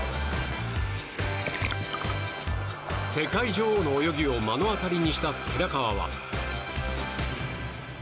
世界女王の泳ぎを目の当たりにした寺川は。